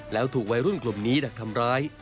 แล้วถูกวัยรุ่นกลุ่มนี้ดักทำร้าย